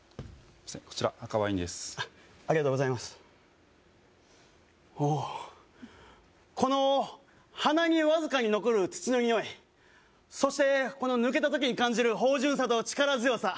こちら赤ワインですありがとうございますおおこの鼻にわずかに残る土のにおいそしてこの抜けた時に感じる芳じゅんさと力強さ